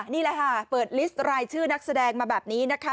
นี่แหละค่ะเปิดลิสต์รายชื่อนักแสดงมาแบบนี้นะคะ